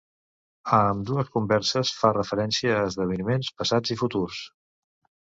A ambdues converses, fa referència a esdeveniments passats i futurs.